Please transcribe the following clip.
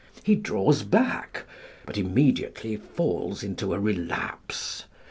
He draws back, but immediately falls into a relapse.